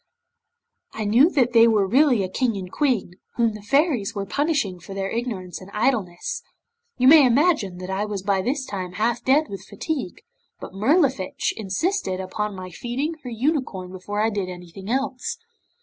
'I knew that they were really a King and Queen, whom the Fairies were punishing for their ignorance and idleness. You may imagine that I was by this time half dead with fatigue, but Mirlifiche insisted upon my feeding her unicorn before I did anything else.